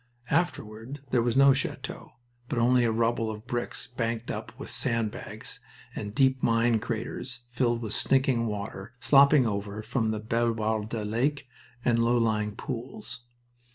Afterward there was no chateau, but only a rubble of bricks banked up with sandbags and deep mine craters filled with stinking water slopping over from the Bellewarde Lake and low lying pools.